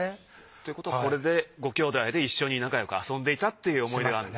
ということはこれでご兄弟で一緒に仲よく遊んでいたっていう思い出があるね。